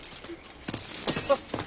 あっ。